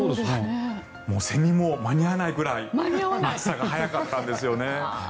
もうセミも間に合わないぐらい暑さが早かったんですよね。